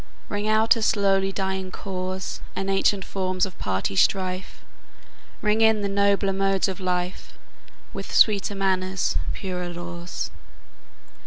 Ring out a slowly dying cause, And ancient forms of party strife; Ring in the nobler modes of life, With sweeter manners, purer laws.